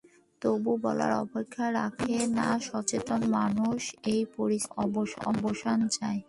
তবে বলার অপেক্ষা রাখে না সচেতন মানুষ এ পরিস্থিতির অবসান চায়।